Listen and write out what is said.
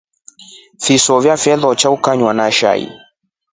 Fisoya fifloso ikanywa na shai.